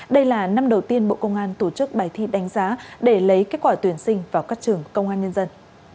đây là năm đầu tiên bộ công an tổ chức bài thi đánh giá để lấy kết quả tuyển sinh vào các trường công an nhân dân